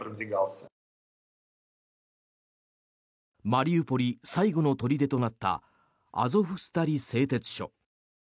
マリウポリ最後の砦となったアゾフスタリ製鉄所。